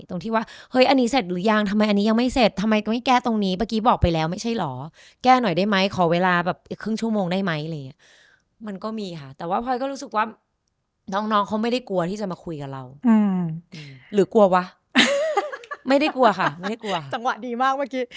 ตรงที่ว่าเฮ้ยอันนี้เสร็จหรือยังทำไมอันนี้ยังไม่เสร็จทำไมก็ไม่แก้ตรงนี้เมื่อกี้บอกไปแล้วไม่ใช่เหรอแก้หน่อยได้ไหมขอเวลาแบบอีกครึ่งชั่วโมงได้ไหมอะไรอย่างเงี้ยมันก็มีค่ะแต่ว่าพลอยก็รู้สึกว่าน้องน้องเขาไม่ได้กลัวที่จะมาคุยกับเราหรือกลัววะไม่ได้กลัวค่ะไม่ได้กลัวจังหวะดีมากเมื่อกี้